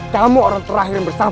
kamu orang terakhir yang bersama